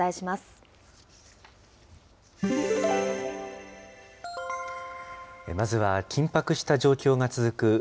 まずは緊迫した状況が続く